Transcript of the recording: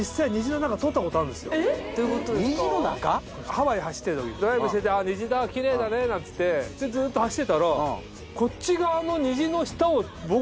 ハワイ走ってたときドライブしてて「あっ虹だ奇麗だね」なんつってずっと走ってたらこっち側の。